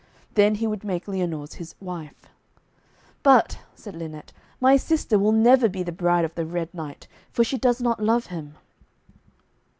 Then he would make Lyonors his wife. 'But,' said Lynette, 'my sister will never be the bride of the Red Knight, for she does not love him.'